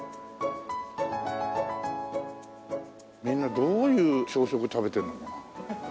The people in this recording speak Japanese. みんなどういう朝食食べてるのかな？